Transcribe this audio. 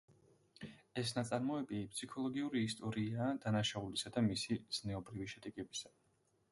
ეს ნაწარმოები ფსიქოლოგიური ისტორიაა დანაშაულისა და მისი ზნეობრივი შედეგებისა.